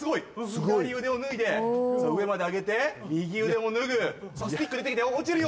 左腕を脱いで上まであげて右腕も脱ぐさあスティック出てきたよ落ちるよ